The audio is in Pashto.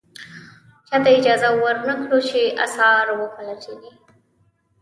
چاته اجازه ور نه کړو چې اثار و پلټنې.